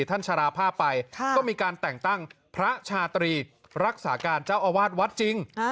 ชราภาพไปก็มีการแต่งตั้งพระชาตรีรักษาการเจ้าอาวาสวัดจริง